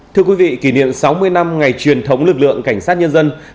thưa quý vị kỷ niệm sáu mươi năm ngày truyền thống lực lượng cảnh sát nhân dân